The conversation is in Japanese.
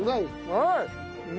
うまい？